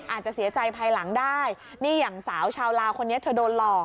อาจจะเสียใจภายหลังได้นี่อย่างสาวชาวลาวคนนี้เธอโดนหลอก